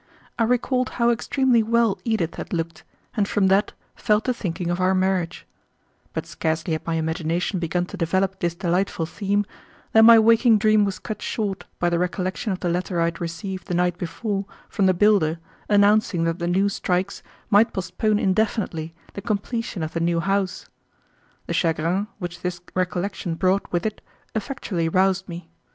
I recalled how extremely well Edith had looked, and from that fell to thinking of our marriage; but scarcely had my imagination begun to develop this delightful theme than my waking dream was cut short by the recollection of the letter I had received the night before from the builder announcing that the new strikes might postpone indefinitely the completion of the new house. The chagrin which this recollection brought with it effectually roused me.